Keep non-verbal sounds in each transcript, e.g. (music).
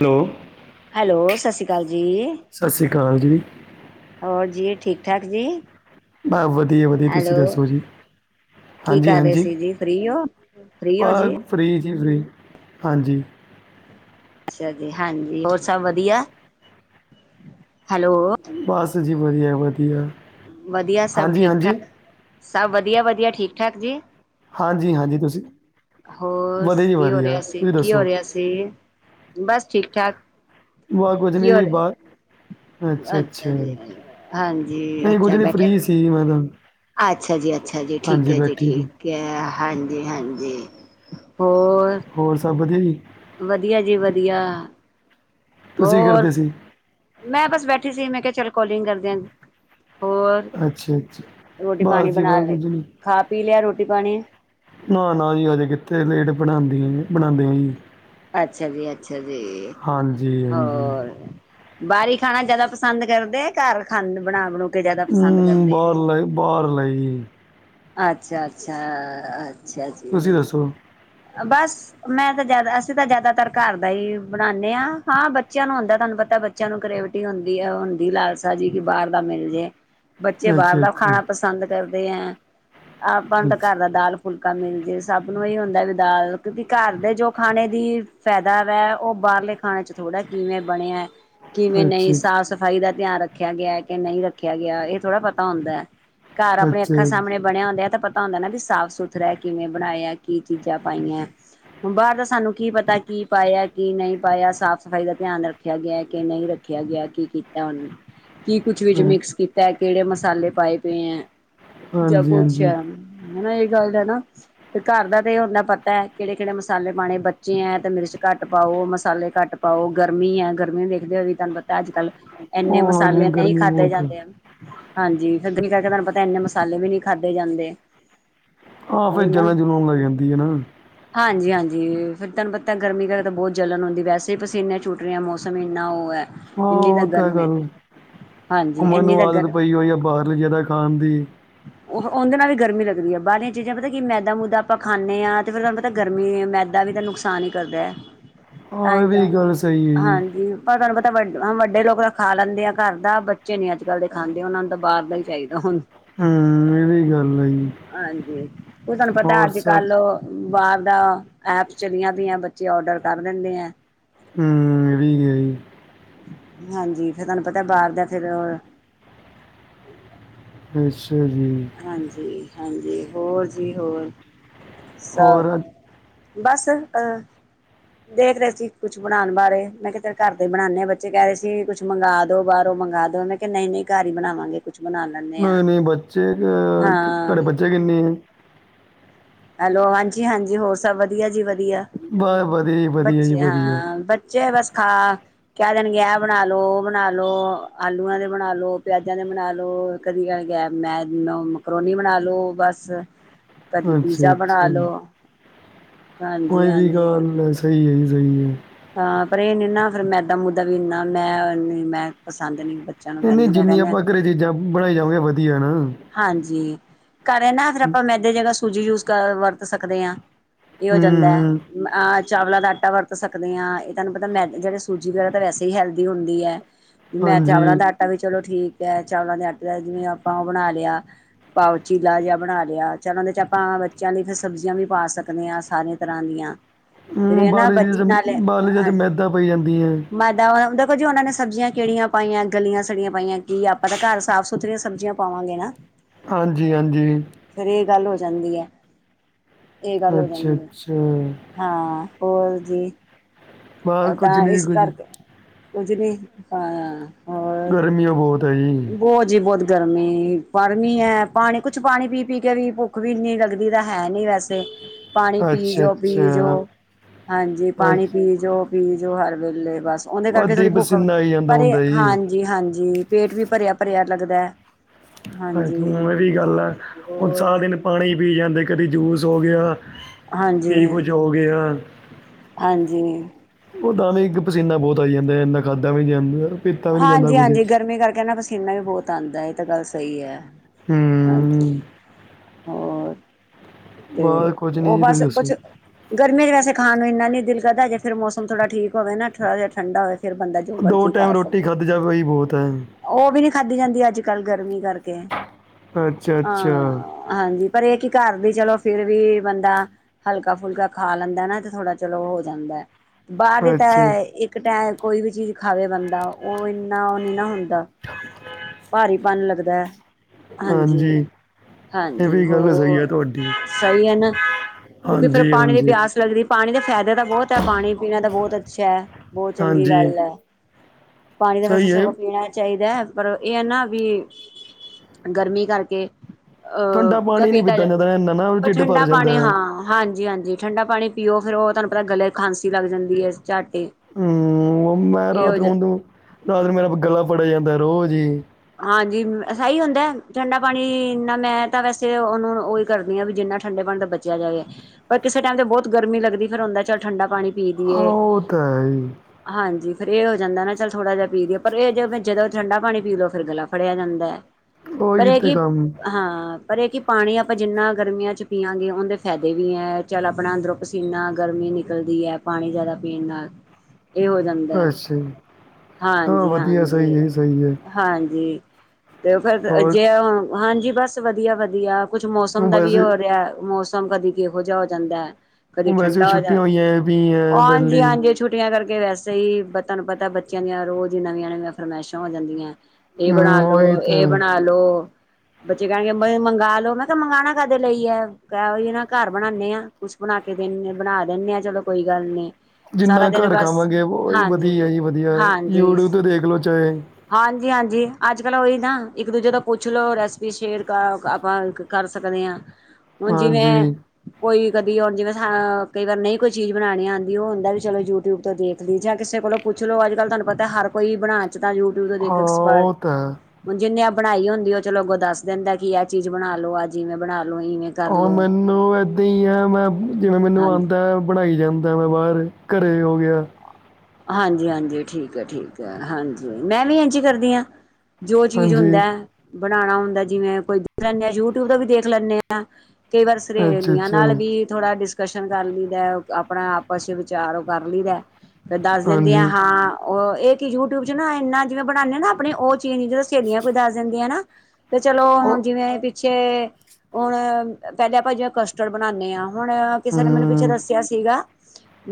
Hello! Hello, ਸਤਿ ਸ਼੍ਰੀ ਅਕਾਲ ਜੀ। ਸਤਿ ਸ਼੍ਰੀ ਅਕਾਲ ਜੀ। ਹੋਰ ਜੀ, ਠੀਕ ਠਾਕ ਜੀ? ਬਾ ਵਧੀਆ-ਵਧੀਆ ਤੁਸੀਂ ਹੈਲੋ ਦੱਸੋ ਜੀ। ਕੀ ਹਾਂਜੀ ਕਰ ਰਹੇ ਹਾਂਜੀ ਸੀ ਜੀ, ਫ੍ਰੀ ਹੋ, ਫ੍ਰੀ ਹੋ ਜੀ। ਫਰੀ ਜੀ, ਫ੍ਰਰੀ ਹਾਂਜੀ। ਅੱਛਾ ਜੀ! ਹਾਂਜੀ ਹੋਰ ਸਭ ਵਧੀਆ, ਹੈਲੋ! ਬਸ ਜੀ ਵਧੀਆ - ਵਧੀਆ। ਵਧੀਆ ਸਭ ਹਾਂਜੀ ਹਾਂਜੀ ਠੀਕ-ਠਾਕ, ਸਭ ਵਧੀਆ- ਵਧੀਆ ਠੀਕ-ਠਾਕ ਜੀ। ਹਾਂਜੀ-ਹਾਂਜੀ ਤੁਸੀਂ! ਹੋਰ ਵਧੀਆ ਜੀ ਕੀ ਹੋ ਵਧੀਆ ਰਿਹਾ ਸੀ, ਤੁਸੀਂ ਕੀ ਹੋ ਦੱਸੋ ਰਿਹਾ ਸੀ, ਬਸ ਠੀਕ-ਠਾਕ। ਬਾ ਕੁਝ ਨਹੀਂ ਜੀ ਬਾ ਅੱਛਾ ਅੱਛਾ-ਅੱਛਾ ਜੀ ਹਾਂਜੀ ਨਹੀਂ ਕੁਝ ਅੱਛਾ ਨੀ, ਬੈਠੇ ਫ੍ਰਰੀ ਸੀ ਮੈਂ ਤਾਂ। ਅੱਛਾ ਜੀ, ਅੱਛਾ ਜੀ, ਠੀਕ ਹਾਂਜੀ ਹੈ ਜੀ ਬੈਠੀ ਸੀ ਠੀਕ। ਕ ਏ ਹਾਂਜੀ -ਹਾਂਜੀ ਹੋਰ ਹੋਰ ਸਭ ਵਧੀਆ ਜੀ। ਵਧੀਆ ਜੀ ਵਧੀਆ। ਤੁਸੀਂ ਕੀ ਹੋਰ ਕਰਦੇ ਸੀ ਮੈਂ ਬਸ ਬੈਠੀ ਸੀ, ਮੈਂ ਕਿਹਾ ਚੱਲ ਕੋਲਿੰਗ ਕਰਦੀ ਆ। ਹੋਰ ਅੱਛਾ, ਅੱਛਾ ਰੋਟੀ ਪਾਣੀ ਬਸ ਜੀ, ਬਣਾ ਬਸ ਲ ਕੁਝ ਨੀ। ਖਾ ਪੀ ਲਿਆ ਰੋਟੀ ਪਾਨੀ? ਨਾ, ਨਾ ਜੀ ਹਜੇ ਕਿੱਥੇ, ਲੇਟ ਬਣਾਦੀਆਂ ਬਣਾਂਦੇ ਜੀ। ਅੱਛਾ ਜੀ, ਅੱਛਾ ਜੀ ਹਾਂਜੀ ਹਾਂਜੀ ਹੋਰ! ਬਾਹਰੀ ਖਾਣਾ ਜਿਆਦਾ ਪਸੰਦ ਕਰਦੇ, ਘਰ ਖਾਂਦੇ ਬਣਾ ਬਨੂੰ ਬਾਹਰਲਾ, ਬਾਹਰਲਾਈ। ਅੱਛਾ-ਅੱਛਾ, ਅੱਛਾ ਤੁਸੀਂ ਜੀ, ਦੱਸੋ? ਬਾਸ ਮੈਂ ਤਾਂ ਜਿਆਦਾ ਅਸੀਂ ਤਾਂ ਜਿਆਦਾਤਰ ਘਰ ਦਾ ਹੀ ਬਣਾਨੇਆ, ਹਾਂ ਬੱਚਿਆਂ ਨੂੰ ਹੁੰਦਾ ਤੁਹਾਨੂੰ ਪਤਾ ਬੱਚਿਆਂ ਨੂੰ ਗ੍ਰੇਵਿਟੀ ਹੁੰਦੀ ਆ, ਹੁੰਦੀ ਲਾਲਸਾ ਜੀ ਕਿ ਬਾਰ ਦਾ ਮਿਲ ਜੇ। ਬੱਚੇ ਬਾਰ ਅੱਛਾ, ਦਾ ਅੱਛਾ, ਖਾਣਾ ਪਸੰਦ ਕਰਦੇ ਐ, ਆਪਾਂ ਨੂੰ ਤਾਂ ਘਰ ਅੱਛਾ, ਦਾ ਦਾਲ, ਫੁਲਕਾ ਮਿਲ ਜੇ ਸਬ ਨੂੰ ਇਹੀ ਹੁੰਦਾ ਵੀ ਦਾਲ, ਕਿਉਂਕਿ ਘਰ ਦੇ ਜੋ ਖਾਣੇ ਦੀ ਫਾਇਦਾ ਵਾ, ਓ ਬਾਰਲੇ ਖਾਣੇ 'ਚ ਥੋੜ੍ਹਾ ਕਿਵੇਂ ਬਣਿਆ। ਕਿਵੇਂ ਨਈ, ਅੱਛਾ, ਸਾਫ਼-ਸਫ਼ਾਈ ਦਾ ਧਿਆਨ ਰੱਖਿਆ ਗਿਆ ਕਿ ਨਈ ਰੱਖਿਆ ਗਿਆ ਐ ਥੋੜ੍ਹਾ ਪਤਾ ਹੁੰਦਾ ਆ ਘਰ ਅਪਨੇ ਅੱਖਾਂ ਅੱਛਾ। ਸਾਹਮਣੇ ਬਣਿਆ ਹੁੰਦਾ ਆ ਤਾਂ ਪਤਾ ਹੁੰਦਾ ਨਾ ਵੀ ਸਾਫ਼-ਸੁਥਰਾ ਕਿਵੇਂ ਬਣਾਇਆ ਆ ਕੀ ਚੀਜ਼। ਚੀਜਾ ਪਾਈਆਂ ਹੁਣ ਬਾਰ ਦਾ ਸਾਨੂੰ ਕੀ ਪਤਾ ਕੀ ਪਾਇਆ ਕੀ ਨਈ ਪਾਇਆ ਸਾਫ਼-ਸਫ਼ਾਈ ਦਾ ਧਿਆਨ ਰੱਖਿਆ ਗਿਆ ਕਿ ਨਈ ਰੱਖਿਆ ਗਿਆ ਕੀ ਕੀਤਾ ਹੁਨ ਕੀ ਕੁਛ ਵਿਚ ਹਾਂ, ਮਿਕਸ ਕੀਤਾ ਕੇਹੜੇ ਮਸਾਲੇ ਪਾਏ ਪਏ ਐ ਜਾਂ ਕੁਛ ਹਾਂਜੀ-ਹਾਂਜੀ, ਹੂੰ ਹਨਾ ਏਹ ਗੱਲ ਦਾ ਨਾ ਤੇ ਘਰ ਦਾ ਏ ਹੁੰਦਾ ਪਤਾ ਕੇਹੜੇ-ਕੇਹੜੇ ਮਸਾਲੇ ਪਾਨੇ ਬੱਚੇ ਐ ਤੇ ਮਿਰਚ ਘੱਟ ਪਾਓ ਮਸਾਲੇ ਘੱਟ ਪਾਓ ਗਰਮੀ ਆ ਗਰਮੀ ਦੇਖਦੇ ਹੋਏ ਵੀ ਤੁਹਾਨੂੰ ਪਤਾ ਅੱਜ-ਕੱਲ ਇੰਨੇ ਉਹ ਹਾਂਜੀ ਮਸਾਲੇ ਨਈ ਗਰਮੀ ਖਾਧੇ ਬਹੁਤ ਹੈ। ਜਾਂਦੇ ਹਨ। ਹਾਂਜੀ ਫੇਰ (unintelligible) ਕਰਕੇ ਤੁਹਾਨੂੰ ਪਤਾ ਇੰਨੇ ਮਸਾਲੇ ਵੀ ਨੀ ਖਾਧੇ ਜਾਂਦੇ। ਹਾਂ ਫੇਰ ਜਲਨ-ਜੁਲਨ ਹੋਣ ਲੱਗ ਜਾਂਦੀ ਐ ਨਾ। ਹਾਂਜੀ-ਹਾਂਜੀ ਫੇਰ ਤਾਨੂੰ ਪਤਾ ਗਰਮੀ ਕਰਕੇ ਬੋਤ ਜਲਣ ਹੁੰਦੀ ਵੈਸੇ ਵੀ ਪਸੀਨਾ ਛੁਟ ਰਹੇ ਐ ਮੌਸਮ ਐਨਾ ਓ ਐ। ਹਾਂ ਓ ਤਾਂ ਐ ਗੱਲ ਓ ਹਾਂਜੀ ਮੈਨੂੰ ਇੰਨੀ ਤਾਂ ਆਦਤ ਗਰਮ ਪਈ ਹੋਈ ਆ ਬਾਰਲੀ ਜ਼ਿਆਦਾ ਖਾਣ ਦੀ। ਓ ਉਦੇ ਨਾਲ ਵੀ ਗਰਮੀ ਲੱਗਦੀ ਐ ਬਾਹਰਲੀਆਂ ਚੀਜ਼ਾਂ ਪਤਾ ਕੀ ਮੈਦਾ-ਮੂਦਾ ਆਪਾਂ ਖਾਨੇ ਆ ਤੇ ਫੇਰ ਤੁਹਾਨੂੰ ਪਤਾ ਗਰਮੀ ਮੈਦਾ ਵੀ ਤਾਂ ਨੁਕਸਾਨ ਈ ਕਰਦਾ ਐ। ਹਾਂ, ਤਾਂਹੀ ਇਹ ਤਾਂ ਵੀ ਹੈ ਗੱਲ ਸਹੀ ਹੈ ਜੀ। ਹਾਂਜੀ। ਪਰ ਤਾਨੂੰ ਪਤਾ ਵੱ ਵੱਡੇ ਲੋਕ ਤਾਂ ਖਾ ਲੈਂਦੇ ਆ ਘਰ ਦਾ ਬੱਚੇ ਨੀ ਅੱਜ-ਕੱਲ ਦੇ ਖਾਂਦੇ ਉਨਾਂ ਨੂੰ ਤਾਂ ਬਾਰ ਦਾ ਈ ਚਾਈਦਾ ਹੁਣ ਹੂੰ, ਇਹ ਵੀ ਗੱਲ ਹੈ ਜੀ। ਹਾਂਜੀ, ਓ ਤੁਹਾਨੂੰ ਪਤਾ ਹੋਰ ਅੱਜ ਸਭ ਓ ਬਾਰ ਦਾ ਐਪਸ ਚਲੀ ਆ ਪਈ ਆ ਬੱਚੇ ਔਡਰ ਕਰ ਦਿੰਦੇ ਐ। ਹੂੰ ਏਹ ਵੀ ਹੈਗਾ। ਹਾਂਜੀ ਫੇਰ ਤੁਹਾਨੂੰ ਪਤਾ ਬਾਰ ਦਾ ਫੇਰ ਅੱਛਾ ਜੀ। ਹਾਂਜੀ-ਹਾਂਜੀ ਹੋਰ ਜੀ ਹੋਰ ਸਬ ਹੋਰ ਬਸ ਅ ਦੇਖ ਰਹੇ ਸੀ ਕੁਛ ਬਣਾਨ ਬਾਰੇ ਮੈਂ ਕਿਹਾ ਚੱਲ ਘਰ ਦੇ ਈ ਬਣਾਨੇ ਆ ਬੱਚੇ ਕਹਿ ਰਹੇ ਸੀ ਕੁਛ ਮੰਗਾ ਦੋ ਬਾਰੋਂ ਮੰਗਾ ਦੋ ਮੈਂ ਕੇਹਾ ਨਈ-ਨਈ ਘਰ ਈ ਬਣਾਵਾਂਗੇ ਕੁਛ ਬਣਾ ਲੋ। ਨਈ-ਨਈ ਬੱਚੇ ਤੇ ਥਾਡੇ ਬੱਚੇ ਕਿੰਨੇ ਆ? ਹੈਲੋ, ਹਾਂਜੀ-ਹਾਂਜੀ ਹੋਰ ਸਭ ਵਧੀਆ ਜੀ ਵਧੀਆ। ਬਸ ਵਧੀਆ ਜੀ ਵਧੀਆ ਜੀ ਬੱਚੇ ਵਧੀਆ। ਹਾਂ ਬੱਚੇ ਬਸ ਖਾ ਕਹਿ ਦੇਣਗੇ ਐਹ ਬਣਾ ਲੋ, ਓ ਬਣਾ ਲੋ, ਆਲੂਆਂ ਦੇ ਬਣਾ ਲੋ, ਪਿਆਜਾਂ ਦੇ ਬਣਾ ਲੋ ਕਦੀ ਕਹਿਣ ਗੇ ਐ ਮੈਂਨੂੰ‌ ਮਕਰੋਨੀ ਬਣਾ ਲਓ ਬਸ ਕਦੀ ਪੀਜ਼ਾ ਬਣਾ ਅੱਛਾ-ਅੱਛਾ ਲੋ ਹਾਂਜੀ ਕੋਈ ਵੀ ਹਾਂਜੀ ਗੱਲ ਸਹੀ ਐ ਜੀ ਸਹੀ ਐ। ਹਾਂ ਪਰ ਏਹ ਨੀ ਨਾ ਅਗਰ ਮੈਦਾ-ਮੂਦਾ ਵੀ ਇੰਨਾ ਮੈਂ ਮੈਂ ਪਸੰਦ ਨੀ ਬੱਚ ਏ ਨੀ ਜਿੰਨੀਆਂ ਆਪਾਂ ਘਰੇ ਚੀਜ਼ਾਂ ਬਣਾਈ ਜਾਵਾਗੇ ਵਧੀਆ ਨਾ। ਹਾਂਜੀ, ਘਰੇ ਨਾ ਫੇਰ ਆਪਾਂ ਮੈਦੇ ਦੀ ਜਗ੍ਹਾ ਸੂਜੀ ਯੂਜ ਕਰ ਵਰਤ ਸਕਦੇ ਆ। ਏ ਹੋ ਜਾਂਦੈ ਹੂੰ-ਹੂੰ ਅ ਆ ਚਾਵਲਾਂ ਦਾ ਆਟਾ ਵਰਤ ਸਕਦੇ ਆ, ਤਾਨੂੰ ਪਤਾ ਮੈਦਾ ਜਿਹੜੇ ਸੂ ਜਗਾ ਤਾਂ ਵੈਸੇ ਵੀ ਹੈਲਦੀ ਹੁੰਦੀ ਐ। ਮੈਂ ਚਾਵਲਾਂ ਹਾਂਜੀ ਦਾ ਆਟਾ ਵੀ ਚਲੋ ਠੀਕ ਐ ਚਾਵਲਾਂ ਦੇ ਆਟੇ ਦਾ ਜਿਵੇਂ ਆਪਾਂ ਓ ਬਣਾ ਲਿਆ ਪਾਓ ਚੀਲਾ ਜਿਹਾ ਬਣਾ ਲਿਆ ਚਲ ਉਦੇ 'ਚ ਆਪਾਂ ਬੱਚਿਆਂ ਲਈ ਫਿਰ ਸਬਜ਼ੀਆਂ ਵੀ ਪਾ ਸਕਦੇ ਆ ਸਾਰੀ ਤਰ੍ਹਾਂ ਦੀਆਂ। ਫੇਰ ਹੂੰ ਏ ਨਾ ਬਾਹਰਲੀ ਚੀਜ਼ ਬੱਚੇ ਨਾਲੇ ਬਾਹਰਲੀ ਚੀਜ਼ਾਂ 'ਚ ਹਾਂਜੀ ਮੈਦਾ ਪਈ ਜਾਂਦੀ ਹੈ। ਮੈਦਾ ਅ ਦੇਖੋ ਜੀ ਉਨਾਂ ਨੇ ਸਬਜ਼ੀਆਂ ਕਿਹੜੀਆਂ ਪਾਈਆਂ, ਗਲੀਆਂ-ਸੜੀਆਂ ਪਾਈਆਂ, ਕੀ ਆਪਾਂ ਤਾਂ ਘਰ ਸਾਫ਼-ਸੁਥਰੀਆਂ ਸਬਜ਼ੀਆਂ ਪਾਵਾਂਗੇ ਨਾ! ਹਾਂਜੀ ਹਾਂਜੀ। ਫੇਰ ਇਹ ਗੱਲ ਹੋ ਜਾਂਦੀ ਐ, ਇਹ ਗੱਲ ਹੋ ਜਾਂਦੀ ਐ। ਅੱਛਾ-ਅੱਛਾ ਹਾਂ ਹੋਰ ਜੀ, ਓ ਬਸ ਕੁਝ ਤਾਂ ਨਹੀਂ ਇਸ ਕੁਝ ਕਰਕੇ ਕੁਝ ਨੀ ਆ ਹੋਰ ਗਰਮੀ ਓ ਬਹੁਤ ਹੈ ਜੀ ਬੋਤ ਜੀ ਬਹੁਤ ਗਰਮੀ ਪਰ ਨੀ ਐ ਪਾਣੀ ਕੁਛ ਪਾਣੀ ਪੀ-ਪੀ ਕੇ ਵੀ, ਭੁੱਖ ਵੀ ਇੰਨੀ ਲੱਗਦੀ ਤਾਂ ਹੈ ਨੀ ਵੈਸੇ। ਪਾਣੀ ਪੀ ਜੌ, ਪੀ ਜੌ! ਅੱਛਾ-ਅੱਛਾ ਹਾਂਜੀ, ਅੱ ਪਾਣੀ ਪੀ ਜੌ, ਪੀ ਜੌ ਹਰ ਵੇਲੇ, ਬਸ ਉਹਦੇ ਕਰਕੇ ਅੱਧੀ ਥੋੜ੍ਹੀ ਭੁੱਖ ਪਸੀਨਾ ਆਈ ਜਾਂਦਾ ਪਰ ਹੁੰਦਾ ਜੀ। ਏ--ਹਾਂਜੀ-ਹਾਂਜੀ, ਪੇਟ ਵੀ ਭਰਿਆ-ਭਰਿਆ ਲੱਗਦਾ। ਹਾਂਜੀ ਹੁ, ਇਹ ਵੀ ਗੱਲ ਆ! ਹਾਂਜੀ ਉਹ ਹੋਰ ਸਾਰ ਦਿਨ ਪਾਣੀ ਪੀ ਜਾਂਦੇ, ਕਦੇ ਜੂਸ ਹੋ ਗਿਆ ਹਾਂਜੀ, ਕੀ ਕੁਝ ਹੋ ਗਿਆ ਹਾਂਜੀ। ਉਹਦਾ ਨਾ ਇੱਕ ਪਸੀਨਾ ਬਹੁਤ ਆਈ ਜਾਂਦਾ, ਇੰਨਾ ਖਾਧਾ ਵੀ ਨੀਂ ਜਾਂਦਾ। ਪੀਤਾ ਵੀ ਨਹੀਂ ਜਾਂਦਾ ਕੁਝ ਹਾਂਜੀ-ਹਾਂਜੀ, ਗਰਮੀ ਕਰਕੇ ਨਾ, ਪਸੀਨਾ ਵੀ ਬਹੁਤ ਆਉਂਦਾ ਐ, ਇਹ ਤਾਂ ਗੱਲ ਸਹੀ ਐ। ਹਮ। ਹਾਂਜੀ, ਹੋਰ, ਤੇ ਬਾਹਰ ਕੁਝ ਨਹੀਂ ਉਹ ਜੀ ਬਸ ਤੁਸੀਂ ਕੁਛ ਦੱਸੋ ਗਰਮੀਆਂ 'ਚ ਵੈਸੇ ਖਾਣ ਨੂੰ ਇੰਨਾ ਨੀ ਦਿਲ ਕਰਦਾ। ਜੇ ਫੇਰ ਮੌਸਮ ਥੋੜਾ ਠੀਕ ਹੋਵੇ ਨਾ, ਥੋੜਾ ਜਿਹਾ ਠੰਢਾ ਹੋਵੇ, ਫਿਰ ਬੰਦਾ ਜੋ ਦੋ ਮਰਜ਼ੀ ਟਾਈਮ ਰੋਟੀ ਖਾਧੀ ਜਾਵੇ ਓਹੀ ਬਹੁਤ ਐ। ਓ ਵੀ ਨੀ ਖਾਧੀ ਜਾਂਦੀ, ਅੱਜ-ਕੱਲ੍ਹ ਗਰਮੀ ਕਰਕੇ। ਅੱਛਾ ਹਾਂ। ਅੱਛਾ ਹਾਂਜੀ! ਪਰ, ਇਹ ਏ ਕਿ ਘਰ ਦੀ ਚਲੋ‌ ਫਿਰ ਵੀ ਬੰਦਾ ਹਲਕਾ-ਫੁਲਕਾ ਖਾ ਲੈਂਦਾ ਨਾ, ਤੇ ਥੋੜਾ ਚਲੋ ਹੋ ਜਾਂਦਾ। ਬਾਹਰ ਵੀ ਤਾਂ ਅੱਛਾ ਇੱਕ ਟੈਮ ਕੋਈ ਵੀ ਚੀਜ਼ ਖਾਵੇ ਬੰਦਾ, ਉਹ ਇੰਨਾ ਉਹ ਨਹੀਂ ਨਾ ਹੁੰਦਾ। ਭਾਰੀਪਨ ਲੱਗਦਾ ਐ। ਹਾਂਜੀ, ਇਹ ਹਾਂਜੀ, ਵੀ ਗੱਲ ਸਹੀ ਹੈ ਹੋਰ? ਤੁਹਾਡੀ ਸਹੀ ਐ ਨਾ, ਕਿਉਂਕਿ ਫੇਰ ਹਾਂਜੀ ਪਾਣੀ ਦੀ ਹਾਂਜੀ ਪਿਆਸ ਲੱਗਦੀ ਪਾਣੀ ਦੇ ਫ਼ਾਇਦੇ ਤਾਂ ਬਹੁਤ ਐ, ਪਾਣੀ ਪੀਣਾ ਤਾਂ ਬਹੁਤ ਅੱਛਾ ਐ, ਬਹੁਤ ਚੰਗੀ ਹਾਂਜੀ ਗੱਲ ਐ। ਪਾਣੀ ਤਾਂ ਵੈਸੇ ਸਹੀ ਹੈ ਸਗੋਂ ਪੀਣਾ ਚਾਹੀਦਾ ਐ। ਪਰ ਇਹ ਐ ਨਾ ਵੀ, ਗਰਮੀ ਕਰਕੇ ਅ ਠੰਡਾ ਤਾਂ ਪਾਣੀ ਪਿਤਾ ਜਾ (unintelligible) ਠੰਡਾ ਜਾਂਦਾ ਪਾਣੀ, ਹੈ ਹਾਂ! ਹਾਂਜੀ-ਹਾਂਜੀ, ਠੰਡਾ ਪਾਣੀ ਪੀਓ, ਫੇਰ ਉਹ ਤੁਹਾਨੂੰ ਪਤਾ, ਗਲੇ ਖਾਂਸੀ ਲੱਗ ਜਾਂਦੀ ਐ। ਹਮ! ਮੈਂ ਹੋ ਰਾਤ ਜਾ ਨੂੰ, ਰਾਤ ਨੂੰ ਮੇਰਾ ਗਲਾ ਫੜਿਆ ਜਾਂਦਾ ਐ, ਰੋਜ਼ ਈ। ਹਾਂਜੀ। ਸਹੀ ਹੁੰਦਾ ਐ। ਠੰਡਾ ਪਾਣੀ ਨਾ, ਮੈਂ ਤਾਂ ਵੈਸੇ ਉਹਨੂੰ ਓ ਈ ਕਰਦੀ ਆ ਵੀ, ਜਿੰਨਾ ਠੰਡੇ ਪਾਣੀ ਤੋਂ ਬਚਿਆ ਜਾਵੇ, ਪਰ ਕਿਸੇ ਟਾਈਮ 'ਤੇ ਬਹੁਤ ਗਰਮੀ ਲੱਗਦੀ, ਫੇਰ ਹੁੰਦਾ ਚਲ, ਠੰਡਾ ਪਾਣੀ ਪੀ ਆਹ ਲਿਏ। ਉਹ ਤਾਂ ਹੈ ਹੀ ਹਾਂਜੀ। ਫੇਰ ਇਹ ਹੋ ਜਾਂਦਾ ਨਾ, ਚੱਲ ਥੋੜ੍ਹਾ ਜਿਹਾ ਪੀ ਲਿਏ। ਪਰ ਇਹ ਜੇ, ਜਦੋਂ ਠੰਡਾ ਪਾਣੀ ਪੀ ਲੋ ਫੇਰ ਗਲਾ ਫੜਿਆ ਜਾਂਦਾ ਐ, ਪਰ ਉਹੀ ਇਹ ਤੇ ਕਿ ਕੰਮ ਹਾਂ! ਪਰ ਇਹ ਕਿ ਪਾਣੀ ਆਪਾਂ ਜਿੰਨਾ ਗਰਮੀਆਂ ਚ ਪੀਆਗੇ, ਉਹਦੇ ਫਾਇਦੇ ਵੀ ਐ, ਚੱਲ, ਆਪਣਾ ਅੰਦਰੋਂ ਪਸੀਨਾ, ਗਰਮੀ ਨਿਕਲਦੀ ਐ ਪਾਣੀ ਜਾਦਾ ਪੀਣ ਨਾਲ, ਇਹੋ ਜਾਂਦਾ। ਅੱਛਾ ਜੀ, ਹਾਂਜੀ, ਹਾਂਜੀ। ਏ ਈ, ਏ ਈ। ਹਾਂਜੀ। ਤੇ ਓ ਫੇਰ ਜੇ ਹਾਂਜੀ। ਬਸ ਵਧੀਆ- ਵਧੀਆ। ਕੁਛ ਮੌਸਮ ਦਾ ਬਸ ਵੀ ਹੋ ਰਿਹਾ ਐ, ਮੌਸਮ ਕਦੀ ਕਿਹੋ ਜਿਹਾ ਹੋ ਜਾਂਦਾ ਐ। ਕਦੀ ਵੈਸੇ ਵੀ ਠੰਡਾ ਹੋ ਜਾ ਛੁੱਟੀਆਂ ਹੋਈਆਂ ਵੀ ਹੈ ਵਿਹਲੀ ਹਾਂਜੀ-ਹਾਂਜੀ ਛੁੱਟੀਆਂ ਕਰਕੇ, ਵੈਸੇ ਈ ਬ--ਤੁਹਾਨੂੰ ਪਤਾ, ਬੱਚਿਆਂ ਦੀਆਂ ਰੋਜ਼ ਹੀ ਨਵੀਆਂ-ਨਵੀਆਂ ਫਰਮਾਇਸ਼ਾਂ ਹੋ ਜਾਂਦੀਆਂ ਐ। ਏ ਬਣਾ ਹੂੰ ਲੋ, ਉਹੀ ਤਾਂ ਏ ਬਣਾ ਹੈ। ਲੋੋ। ਬੱਚੇ ਕਹਿਣਗੇ ਮਾ ਏ ਮੰਗ ਲੋ! ਮੈਂ ਕਿਹਾ ਮੰਗਾਨਾ ਕਾਦੇ ਲਈ ਐ, ਕਹਿਓ ਇਹੋ ਹੀ ਨਾ, ਘਰ ਬਣਾਣੇ ਆ। ਕੁਛ ਬਣਾ ਕੇ ਦਿੰਣੇ, ਬਣਾ ਦਿੰਣੇ ਆ ਚਲੋ, ਕੋਈ ਗੱਲ ਨੀ। ਸਾਰਾ ਜਿੰਨਾ ਦਿਨ ਘਰ ਬਸ ਖਾਵਾਂਗੇ। ਉਹ ਹਾਂਜੀ ਵਧੀਆ ਜੀ, ਵਧੀਆ ਐ। ਯੂਟਿਊਬ ਤੋਂ ਦੇਖ ਲਓ, ਚਾਹੇ। ਹਾਂਜੀ-ਹਾਂਜੀ ਅੱਜ-ਕੱਲ ਉਹੀ ਨਾ ਇੱਕ ਦੂਜੇ ਤੋਂ ਪੁੱਛ ਲਓ। ਰੈਸਪੀ ਸ਼ੇਅਰ ਆਪਾਂ ਕਰ ਸਕਦੇ ਆ। ਹੁਣ ਜਿਵੇਂ ਹਾਂਜੀ ਕੋਈ, ਕਦੀ ਹੁਣ ਜਿਵੇਂ ਕਈ ਵਾਰ ਨਹੀਂ, ਕੋਈ ਚੀਜ਼ ਬਣਾਣੀ ਆਉਂਦੀ। ਉਹ ਹੁੰਦਾ ਵੀ ਚਲੋ ਯੂਟਿਊਬ ਤੋਂ ਦੇਖ ਜਾ ਕਿਸੇ ਕੋਲੋਂ ਪੁੱਛ ਲੋੋ ਅੱਜ-ਕੱਲ ਤੁਹਾਨੂੰ ਪਤਾ, ਹਰ ਕੋਈ ਬਣਾਣ ਚ ਦਾ ਯੂਟਿਊਬ ਦੇ ਹਾਂ ਐਕਸਪਰਟ ਉਹ ਤਾਂ ਹੈ। ਹੁਣ ਜਿੰਨੇ ਆਪ ਬਣਾਈ ਹੁੰਦੀ। ਓ ਚਲੋ ਅੱਗੋਂ ਦੱਸ ਦਿੰਦਾ ਕਿ ਆ, ਚੀਜ਼ ਬਣਾ ਲੋ। ਅੱਜ ਜਵੇਂ ਬਣਾ ਲੋ, ਇਵੇਂ ਕਰ ਹੁਣ ਲਓ ਮੈਨੂੰ ਏਦਾਂ ਈ ਐ ਮੈਂ ਜਿਵੇਂ, ਮੈਨੂੰ ਹਾਂਜੀ ਆਉਂਦਾ ਐ। ਪੜ੍ਹਾਈ ਜਾਂਦਾ ਬਾਹਰ ਘਰੇ ਹੋ ਗਿਆ। ਹਾਂਜੀ-ਹਾਂਜੀ ਠੀਕ ਐ ਠੀਕ ਐ। ਹਾਂਜੀ, ਮੈਂ ਵੀ ਇੰਝੀ ਕਰਦੀ ਆ। ਜੋ ਚੀਜ਼ ਹਾਂਜੀ ਹੁੰਦਾ ਬਣਾਉਣਾ ਹੁੰਦਾ ਜਿਵੇਂ ਕੋਈ ਯੂਟਿਊਬ ਤੋਂ ਵੀ ਦੇਖ ਲੈਂਣੇ ਆ। ਕਈ ਵਾਰ ਅੱਛਾ ਸਹੇਲੀਆਂ ਅੱਛਾ ਨਾਲ ਵੀ ਥੋੜਾ ਡਿਸਕਸ਼ਨ ਕਰ ਲਈਦਾ ਆਪਣਾ ਆਪਸ 'ਚ ਵਿਚਾਰ ਕਰ ਲਈਦਾ। ਫਿਰ ਦੱਸ ਦਿੰਦੀ ਹਾਂਜੀ ਹਾਂ। ਉਹ, ਇਹ ਕਿ ਯੂਟਿਊਬ ਚ ਨਾ ਇਨਾ ਜਿਵੇਂ ਬਣਾਣੇ ਨਾ ਆਪਣੇ ਉਹ ਚੀਜ਼ ਜਦੋਂ ਸਹੇਲੀਆਂ ਕੋਈ ਦੱਸ ਦਿੰਦੀਆਂ ਐ ਨਾ। ਤੇ ਚਲੋ ਉਹ ਹੁਣ ਜਿਵੇਂ ਪਿੱਛੇ ਹੁਣ ਪਹਿਲੇ ਆਪਾਂ ਜਿਵੇਂ ਕਸਟਰਡ ਬਣਾਣੇ ਆ। ਹੁਣ, ਕਿਸੇ ਨੇ ਮੈਨੂੰ ਪਿੱਛੇ ਹੂੰ ਦੱਸਿਆ ਸੀਗਾ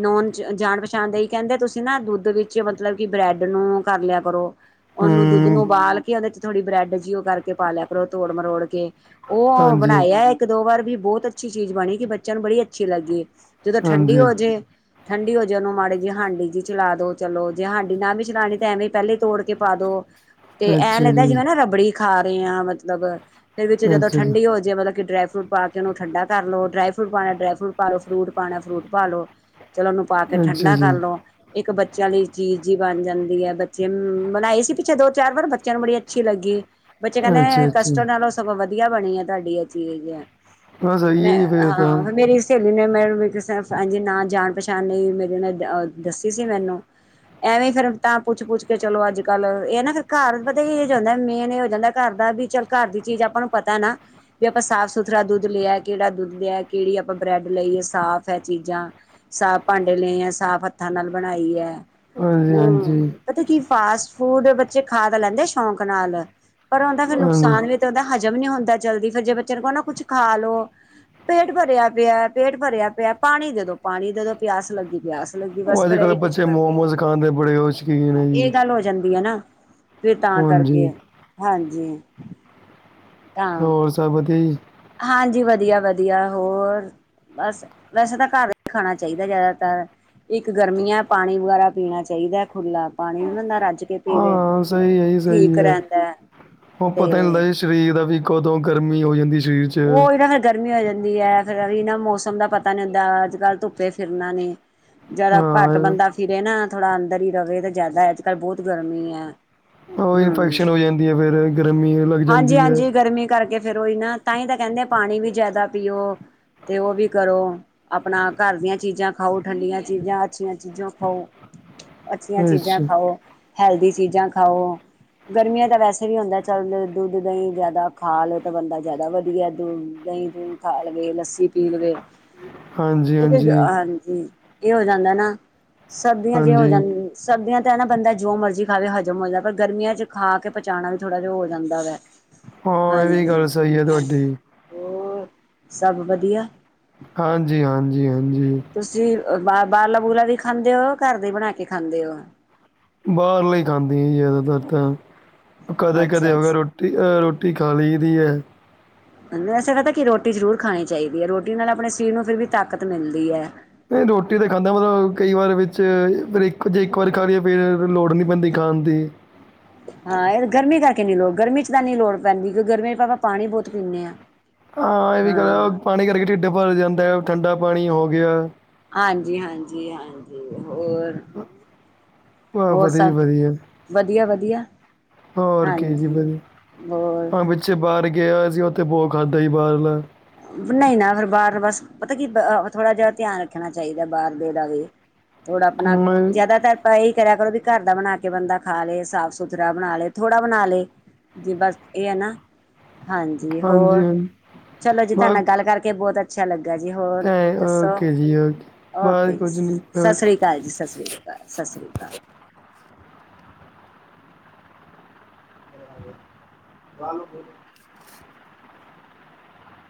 ਨੋਨ ਜਾਣ-ਪਛਾਣ ਦਾ ਕਹਿੰਦੇ ਤੁਸੀਂ ਨਾ ਦੁੱਧ ਵਿੱਚ ਮਤਲਬ ਕਿ ਬ੍ਰੈਡ ਨੂੰ ਕਰ ਲਿਆ ਕਰੋ ਉਹਨੂੰ ਦੁੱਧ ਦੁੱਧ ਨੂੰ ਹੂੰ ਉਬਾਲ ਕੇ ਉਹਦੇ ਚ ਥੋੜੀ ਬ੍ਰੈਡ ਜਿਹੀ ਉਹ ਕਰਕੇ ਪਾ ਲਿਆ ਕਰੋ ਤੋੜ ਮਰੋੜ ਕੇ ਉਹ ਹਾਂਜੀ ਬਣਾਇਆ ਇੱਕ ਦੋ ਵਾਰ ਵੀ ਬਹੁਤ ਅੱਛੀ ਚੀਜ਼ ਬਣੀ ਕਿ ਬੱਚਿਆਂ ਨੂੰ ਬੜੀ ਅੱਛੀ ਲੱਗੀ ਜਦੋਂ ਠੰਡੀ ਹਾਂਜੀ ਹੋ ਜੇ ਠੰਡੀ ਹੋਈ ਜੇ ਉਹਨੂੰ ਮਾੜੀ ਜੇ ਹਾਂਡੀ ਜੀ ਚਲਾ ਦੋ ਚਲੋ ਜੇ ਹਾਂਡੀ ਨਾ ਵੀ ਚਲਾਉਣੀ ਤਾਂ ਐਵੇਂ ਪਹਿਲੇ ਹੀ ਤੋੜ ਕੇ ਪਾ ਦੋ ਤੇ ਐਂ ਅੱਛਾ ਲੱਗਦਾ ਜੀ ਜਿਵੇਂ ਨਾ ਰਬੜੀ ਖਾ ਰਹੇ ਹਾਂ ਮਤਲਬ ਤੇ ਵਿੱਚ ਜਦੋਂ ਅੱਛਾ ਜੀ ਠੰਡੀ ਹੋ ਜੇ ਮਤਲਬ ਕਿ ਡਰਾਈ ਫਰੂਟ ਪਾ ਕੇ ਉਹਨੂੰ ਠੰਡਾ ਕਰ ਲੋ ਡਰਾਈ ਫਰੂਟ ਪਾਉਣਾ ਡਰਾ ਫਰੂਟ ਪਾ ਲੋ ਫਰੂਟ ਪਾਣਾ ਫੂਟ ਪਾ ਲੋ ਚਲੋ ਉਹਨੂੰ ਪਾ ਕੇ ਅੱਛਾ ਠੰਡਾ ਕਰ ਜੀ ਲੋ ਇੱਕ ਬੱਚਿਆਂ ਲਈ ਚੀਜ਼ ਹੀ ਬਣ ਜਾਂਦੀ ਹੈ ਬੱਚੇ ਬਣਾਏ ਸੀ ਪਿੱਛੇ ਦੋ ਚਾਰ ਵਾਰ ਬੱਚਿਆਂ ਨੂੰ ਬੜੀ ਅੱਛੀ ਲੱਗੀ ਬੱਚੇ ਕਹਿੰਦੇ ਅੱਛਾ ਅੱਛਾ ਕਸ਼ਟੋ ਨਾਲੋਂ ਸਗੋਂ ਵਧੀਆ ਬਣੀ ਆ ਤੁਹਾਡੀ ਇਹ ਚੀਜ਼ ਬਸ ਸਹੀ ਮੈਂ ਹੈ ਜੀ ਫਿਰ ਤਾਂ ਹਾਂ ਮੇਰੀ ਸਹੇਲੀ ਨੇ ਮੈ ਕਿਸ ਨਾ ਜਾਣ ਪਛਾਣ ਨਹੀਂ ਮੇਰੇ ਨਾਲ ਦੱਸੀ ਸੀ ਮੈਨੂੰ ਐਵੇਂ ਫਿਰ ਤਾਂ ਪੁੱਛ ਪੁੱਛ ਕੇ ਚਲੋ ਅੱਜ ਕੱਲ ਇਹ ਨਾ ਫਿਰ ਘਰ ਵਧੀ ਜਾਂਦਾ ਮੇਨ ਇਹ ਹੋ ਜਾਂਦਾ ਘਰ ਦਾ ਵੀ ਚੱਲ ਘਰ ਦੀ ਚੀਜ਼ ਆਪਾਂ ਨੂੰ ਪਤਾ ਨਾ ਵੀ ਆਪਾਂ ਸਾਫ਼ ਸੁਥਰਾ ਦੁੱਧ ਲਿਆ ਕਿਹੜਾ ਦੁੱਧ ਲਿਆ ਕਿਹੜੀ ਆਪਾਂ ਬ੍ਰੈਡ ਲਈਏ ਸਾਫ਼ ਹੈ ਚੀਜ਼ਾਂ ਸਾਫ਼ ਭਾਂਡੇ ਲਏ ਹੈ ਸਾਫ਼ ਹੱਥਾਂ ਨਾਲ ਬਣਾਈ ਹੈ। ਹਾਂਜੀ ਹਾਂਜੀ ਹੂੰ, ਪਤਾ ਕੀ ਫਾਸਟ ਫੂਡ ਬੱਚੇ ਖਾ ਤਾਂ ਲੈਂਦੇ ਆ ਸ਼ੌਕ ਨਾਲ ਪਰ ਉਹਦਾ ਫਿਰ ਹਾਂਜੀ ਨੁਕਸਾਨ ਵੀ ਤੇ ਉਹਦਾ ਹਜ਼ਮ ਨੀ ਹੁੰਦਾ ਜਲਦੀ ਫਿਰ ਜੇ ਬੱਚੇ ਨੂੰ ਕਹੋ ਨਾ ਕੁਛ ਖਾ ਲੋ ਪੇਟ ਭਰਿਆ ਪਿਆ ਪੇਟ ਭਰਿਆ ਪਿਆ ਪਾਣੀ ਦੇ ਦੋ ਪਾਣੀ ਦੇ ਦੋ ਪਿਆਸ ਲੱਗੀ ਪਿਆਸ ਭੁੱਖ ਲੱਗੀ ਉਹ ਸੀ ਅੱਜ ਫਿਰ ਕੱਲ੍ਹ ਇਹੀ ਕੁਛ ਬੱਚੇ ਕਰਦੇ ਮੋਮੋਸ ਰਹਿੰਦੇ ਖਾਣ ਦੇ ਬੜੇ ਉਹ ਸ਼ੌਕੀਨ ਹੈ ਜੀ ਇਹ ਗੱਲ ਹੋ ਜਾਂਦੀ ਹੈ ਨਾ ਤੇ ਤਾਂ ਹਾਂਜੀ ਕਰਕੇ ਹਾਂਜੀ ਤਾਂ ਹੋਰ ਸਭ ਵਧੀਆ ਜੀ ਹਾਂਜੀ ਵਧੀਆ ਵਧੀਆ ਹੋਰ ਬਸ ਵੈਸੇ ਤਾਂ ਘਰ ਹੀ ਖਾਣਾ ਚਾਹੀਦਾ ਜ਼ਿਆਦਾਤਰ ਇੱਕ ਗਰਮੀਆਂ ਪਾਣੀ ਵਗੈਰਾ ਪੀਣਾ ਚਾਹੀਦਾ ਖੁੱਲਾ ਪਾਣੀ ਨੂੰ ਰੱਜ ਕੇ ਪੀਵੇ ਹਾਂ ਸਹੀ ਹੈ ਹੀ ਠੀਕ ਸਹੀ ਹੈ ਰਹਿੰਦਾ ਉਹ ਪਤਾ ਹੁੰਦਾ ਤੇ ਇਸ਼ਕ ਸਰੀਰ ਦਾ ਵੀ ਕਦੋਂ ਗਰਮੀ ਹੋ ਜਾਂਦੀ ਸਰੀਰ ਚ ਉਹ (unintelligible) ਗਰਮੀ ਹੋ ਜਾਂਦੀ ਐ, ਫੇਰ ਏਹੀ ਨਾ ਮੌਸਮ ਦਾ ਪਤਾ ਨੀ ਹੁੰਦਾ, ਅੱਜ-ਕੱਲ ਧੁੱਪੇ ਫਿਰਨਾ ਨੇ ਜਿਆਦਾ ਘੱਟ ਹਾਂ ਬੰਦਾ ਫਿਰੇ ਨਾ ਥੋੜਾ ਅੰਦਰ ਹੀ ਰਵੇ ਤਾਂ ਜ਼ਿਆਦਾ, ਅੱਜ-ਕੱਲ ਬਹੁਤ ਗਰਮੀ ਆ। ਉਹ ਹੂਂ, ਇਨਫੈਕਸ਼ਨ ਹੋ ਜਾਂਦੀ ਹੈ ਫਿਰ ਗਰਮੀ ਲੱਗ ਜਾਂਦੀ ਹੈ ਹਾਂਜੀ-ਹਾਂਜੀ ਗਰਮੀ ਕਰਕੇ ਫੇਰ ਓਹੀ ਨਾ। ਤਾਂਹੀ ਤਾਂ ਕੈਹੰਦੇ ਪਾਣੀ ਵੀ ਜ਼ਿਆਦਾ ਪੀਓ, ਤੇ ਓਹ ਵੀ ਕਰੋ। ਆਪਣਾ ਘਰ ਦੀਆਂ ਚੀਜ਼ਾਂ ਖਾਓ, ਠੰਡੀਆਂ ਚੀਜ਼ਾਂ ਅੱਛੀਆਂ ਚੀਜ਼ਾਂ ਖਾਓ। ਅੱਛੀਆਂ ਚੀਜ਼ਾਂ ਅੱਛਾ ਖਾਓ, ਹੈਲਦੀ ਚੀਜ਼ਾਂ ਖਾਓ। ਗਰਮੀਆਂ ਤਾਂ ਵੈਸੇ ਵੀ ਹੁੰਦਾ ਚੱਲ ਦੁੱਧ ਦਂਹੀ ਜ਼ਿਆਦਾ ਖਾ ਲਓ ਤਾਂ ਬੰਦਾ ਜ਼ਿਆਦਾ ਵਧੀਆ ਦ ਦਹੀਂ ਦੂਹੀਂ ਖਾ ਲਵੇ ਲੱਸੀ ਪੀ ਲਵੇ। ਹਾਂਜੀ ਕਿਉਂਕਿ ਹਾਂਜੀ ਹਾਂਜੀ ਏਹ ਹੋ ਜਾਂਦਾ ਨਾ, ਸਰਦੀਆਂ ਚ ਏ ਹੋ ਹਾਂਜੀ ਜਾਂਦੀ। ਸਰਦੀਆਂ ਤਾਂ ਨਾ ਬੰਦਾ ਜੋ ਮਰਜ਼ੀ ਖਾਵੇ ਹਜ਼ਮ ਹੋਂਦੈ, ਪਰ ਗਰਮੀਆਂ ਚ ਖਾ ਕੇ ਪਚਾਣਾ ਵੀ ਥੋੜਾ ਜੇਹਾ ਹੋ ਜਾਂਦਾ ਵਾ। ਹਾਂ ਐ ਵੀ ਗੱਲ ਸਈ ਐ ਤੁਹਾਡੀ। ਹੋ, ਸਭ ਵਧੀਆ। ਹਾਂਜੀ-ਹਾਂਜੀ-ਹਾਂਜੀ। ਤੁਸੀਂ ਬ ਬਾਰਲਾ ਬੂਰਲਾ ਵੀ ਖਾਂਦੇ ਹੋ ਘਰ ਦੀ ਬਣਾ ਕੇ ਖਾਂਦੇ ਓ। ਬਾਹਰਲੇ ਖਾਂਦੀ ਸੀ ਜ਼ਿਆਦਾਤਰ ਤਾਂ, ਕਦੇ-ਕਦੇ ਅੱਛਾ ਹੋ ਗਯਾ ਅੱਛਾ ਰੋ ਅ ਰੋਟੀ ਖਾ ਲਈ ਦੀ ਐ। ਐਸਾ ਕਰਦਾ ਕਿ ਰੋਟੀ ਜ਼ਰੂਰ ਖਾਣੀ ਚਾਈਦੀ ਐ ਰੋਟੀ ਨਾਲ ਆਪਣੇ ਸਰੀਰ ਨੂੰ ਫਿਰ ਵੀ ਤਾਕਤ ਮਿਲਦੀ ਐ। ਨਈ ਰੋਟੀ ਤੇ ਖਾਂਦਾ ਵਾਂ, ਕਈ ਵਾਰ ਵਿੱਚ ਫਿਰ ਇੱਕ ਜੇ ਇੱਕ ਵਾਰ ਖਾ ਲਈਏ ਫੇਰ ਲੋੜ ਨੀ ਪੈਂਦੀ ਖਾਣ ਦੀ। ਹਾਂ ਏਹ ਗਰਮੀ ਕਰਕੇ ਨੀ ਲੋੜ ਗਰਮੀ ਚ ਤਾਂ ਨੀ ਲੋੜ ਪੈਂਦੀ, ਕਿਉਂਕ ਗਰਮੀ ਚ ਆਪਾਂ ਪਾਣੀ ਬਹੁਤ ਪੀਂਣੇ ਆਂ। ਹਾਂ ਏਹ ਵੀ ਕਰ ਪਾਣੀ ਕਰਕੇ ਢਿੱਡ ਭਰ ਜਾਂਦੈ, ਠੰਡਾ ਪਾਣੀ ਹੋ ਗਿਆ। ਹਾਂਜੀ-ਹਾਂਜੀ-ਹਾਂਜੀ ਹੋਰ ਵਾਹ ਹੋਰ ਵਧੀਆ ਜੀ ਸਭ ਵਧੀਆ ਵਦੀਆ-ਵਦੀਆ। ਹੋਰ ਕੀ ਜੀ ਹਾਂਜੀ ਵਧੀਆ। ਹੋਰ। ਹਾਂ ਪਿੱਛੇ ਬਾਰ ਗਿਆ ਸੀ ਓੱਥੇ ਬੋ ਖਾਦਾ ਸੀ ਬਾਹਰਲਾ। ਨਈ ਨਾ ਫੇਰ ਬਾਰ ਬਸ ਪਤਾ ਕੀ ਅ ਥੋੜਾ ਜੇਹਾ ਧਿਆਨ ਰੱਖਣਾ ਚਾਈਦੈ ਬਾਹਰ ਦੇ ਦਾ ਵੀ। ਥੋੜਾ ਆਪਣਾ ਹਾਂ ਜ਼ਿਆਦਾਤਰ। ਆਪ ਏਹੀ ਕਰਿਆ ਕਰੋ ਵੀ ਘਰ ਦਾ ਬਣਾ ਕੇ ਬੰਦਾ ਖਾ ਲਏ ਸਾਫ਼ ਸੁਥਰਾ ਬਣਾ ਲਏ, ਥੋੜਾ ਬਣਾ ਲਏ। ਜੀ ਬਸ ਏ ਐ ਨਾ, ਹਾਂਜੀ ਹੋਰ। ਹਾਂਜੀ-ਹਾਂਜੀ ਚਲੋ ਜੀ ਤੁਹਾਡੇ ਬਸ ਨਾਲ ਗੱਲ ਕਰਕੇ ਬਹੁਤ ਅ ਅੱਛਾ ਲੱਗਯਾ ਜੀ, ਹੋਰ ਐ ਦੱਸੋ ਓਕੇ ਜੀ ਓਕੇ ਓਕੇ ਬਸ ਜੀ ਕੁਝ ਨਹੀਂ ਸਸ ਓਕੇ। ਸ੍ਰੀ ਭਾਜੀ ਸਸ ਸ੍ਰੀ ਕਾਲ, ਸਸ ਸ੍ਰੀ ਕਾਲ। ਵਾਲਵ ਖੋਲੋਂ।